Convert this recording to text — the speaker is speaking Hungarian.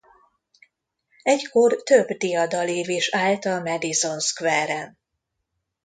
Egykor több diadalív is állt a Madison Square-en.